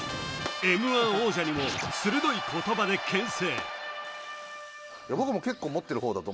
Ｍ−１王者にも鋭い言葉でけん制。